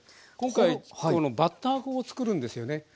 今回バッター粉を作るんですよね。